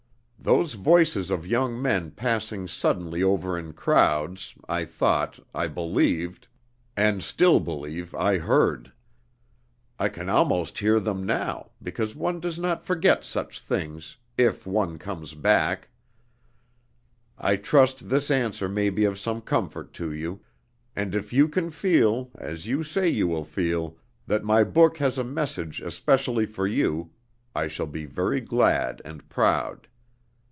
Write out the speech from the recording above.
Those voices of young men passing suddenly over in crowds, I thought, I believed, and still believe I heard. I can almost hear them now, because one does not forget such things if one comes back. I trust this answer may be of some comfort to you; and if you can feel, as you say you will feel, that my book has a message especially for you, I shall be very glad and proud.